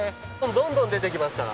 どんどん出てきますから。